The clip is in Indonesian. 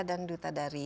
dan duta dari sdg